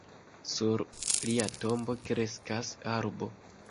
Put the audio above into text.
Sur lia tombo kreskas arbo.